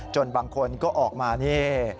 จนบางคนก็ออกมาเนี่ย